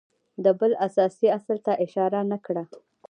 ده بل اساسي اصل ته اشاره نه کړه